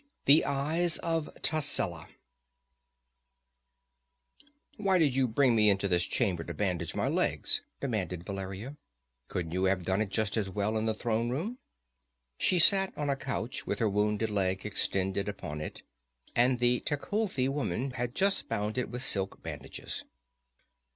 The Eyes of Tascela_ "Why did you bring me into this chamber to bandage my legs?" demanded Valeria. "Couldn't you have done it just as well in the throne room?" She sat on a couch with her wounded leg extended upon it, and the Tecuhltli woman had just bound it with silk bandages.